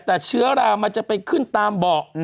แต่เชื้อรามันจะไปขึ้นตามเบาะ